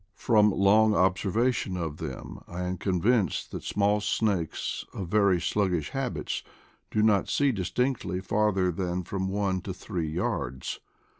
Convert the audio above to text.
From long observation of them I am convinced that small snakes of very sluggish habits do not see distinctly farther than from one to three yards.